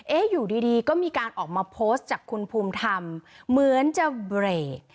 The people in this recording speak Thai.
อยู่ดีก็มีการออกมาโพสต์จากคุณภูมิธรรมเหมือนจะเบรก